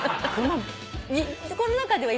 この中では。